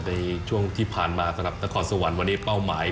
ในช่วงที่ผ่านมาสำหรับนครสวรรค์วันนี้เป้าหมาย